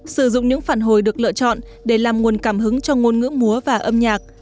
sử dụng những phản hồi được lựa chọn để làm nguồn cảm hứng cho ngôn ngữ múa và âm nhạc